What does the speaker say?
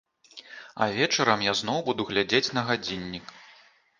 А вечарам я зноў буду глядзець на гадзіннік.